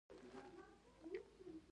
آیا د کاناډا کانونه ډیر بډایه نه دي؟